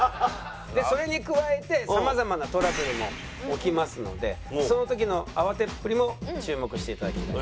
それに加えてさまざまなトラブルも起きますのでその時の慌てっぷりも注目していただきたいと。